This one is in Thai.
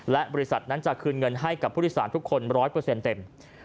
และบริษัทนั้นจะคืนเงินให้กับผู้โดยสารทุกคน๑๐๐เต็ม